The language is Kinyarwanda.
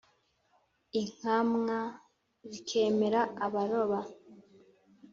inkamwa zikemera abaroba.